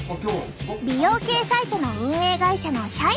美容系サイトの運営会社の社員。